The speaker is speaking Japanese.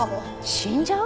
死んじゃう？